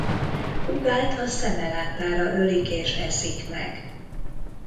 Húgát a szeme láttára ölik és eszik meg.